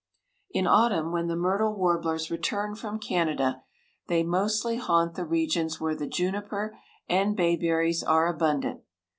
In autumn, when the myrtle warblers return from Canada, they mostly haunt the regions where the juniper and bayberries are abundant.